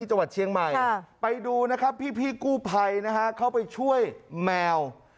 จังหวัดเชียงใหม่ไปดูนะครับพี่กู้ภัยนะฮะเข้าไปช่วยแมว